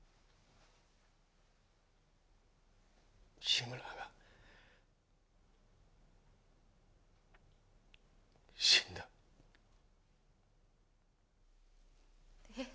志村が死んだえっ？